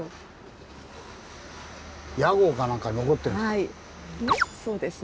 屋号かなんか残ってるんですか？